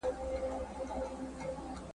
څه شي ويني پر جوش راوستې؟